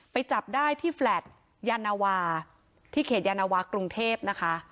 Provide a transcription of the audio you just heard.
จับได้ที่แฟลต์ยานาวาที่เขตยานวากรุงเทพนะคะ